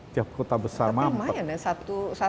jakarta besar mampet tapi lumayan ya